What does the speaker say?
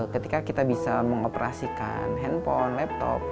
ketika kita bisa mengoperasikan handphone laptop